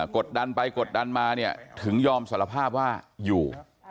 กดดันไปกดดันมาเนี่ยถึงยอมสารภาพว่าอยู่